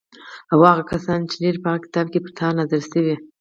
او هغه کسان چې لري په هغه کتاب چې پر تا نازل شوی